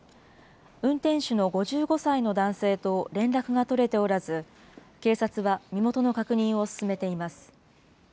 運転手の５５歳の男性と連絡が取れておらず、警察は身元の確認を進めています。